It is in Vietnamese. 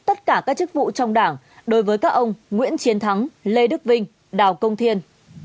tất cả các chức vụ trong đảng đối với các ông nguyễn chiến thắng lê đức vinh đào công thiên